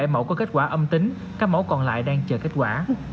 một trăm bảy mươi bảy mẫu có kết quả âm tính các mẫu còn lại đang chờ kết quả